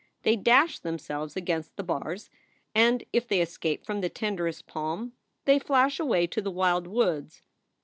They dash themselves against the bars; and if they escape from the tenderest palm, they flash away to the wild woods.